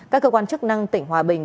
các cơ quan chức năng tỉnh hòa bình